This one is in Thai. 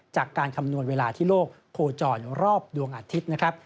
คำนวณเวลาที่โลกโคจรรอบดวงอาทิตย์นะครับ